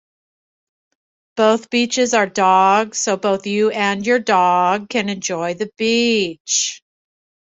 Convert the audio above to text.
Both beaches are dog so both you and your dog can enjoy the beach.